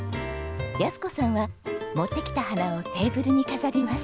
安子さんは持ってきた花をテーブルに飾ります。